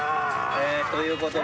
えぇということで。